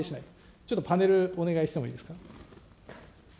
ちょっとパネル、お願いしてもいいですか。